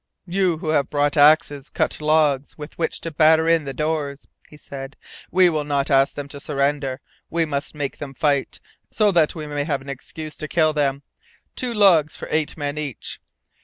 "You who have brought axes cut logs with which to batter in the doors," he said. "We will not ask them to surrender. We must make them fight, so that we may have an excuse to kill them. Two logs for eight men each.